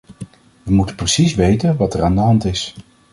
We moeten precies weten wat er aan de hand is.